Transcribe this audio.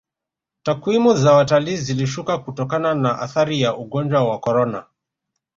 takwimu za watalii zilishuka kutokana na athari ya ugonjwa wa korona